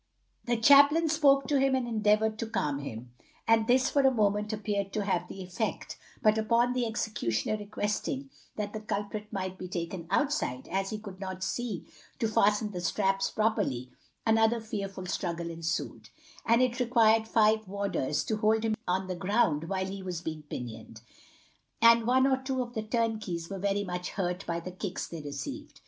The chaplain spoke to him and endeavoured to calm him, and this for a moment appeared to have the effect, but upon the executioner requesting that the culprit might be taken outside, as he could not see to fasten the straps properly, another fearful struggle ensued, and it required five warders to hold him on the ground while he was being pinioned, and one or two of the turnkeys were very much hurt by the kicks they received.